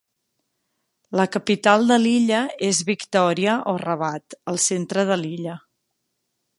La capital de l'illa és Victòria o Rabat, al centre de l'illa.